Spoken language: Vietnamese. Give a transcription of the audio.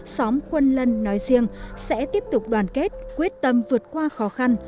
xóm quân lân nói riêng sẽ tiếp tục đoàn kết quyết tâm vượt qua khó khăn